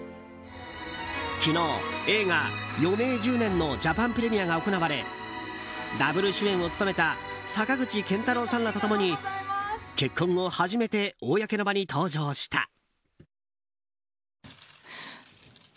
昨日、映画「余命１０年」のジャパンプレミアが行われダブル主演を務めた坂口健太郎さんらと共に結婚後初めて公の場に登場した。